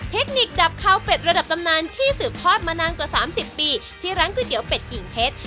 เทคนิคดับข้าวเป็ดระดับตำนานที่สืบทอดมานานกว่า๓๐ปีที่ร้านก๋วยเตี๋เป็ดกิ่งเพชร